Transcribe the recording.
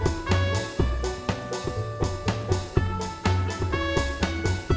mengerti gak rutin saya